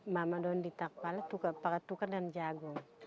mama doang ditakpal pakai tukar dan jagung